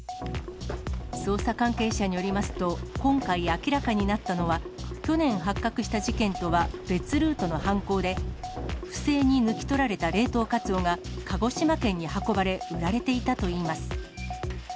捜査関係者によりますと、今回明らかになったのは、去年発覚した事件とは別ルートの犯行で、不正に抜き取られた冷凍カツオが鹿児島県に運ばれ、売られていたといいます。